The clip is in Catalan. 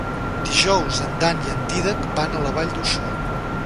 Dijous en Dan i en Dídac van a la Vall d'Uixó.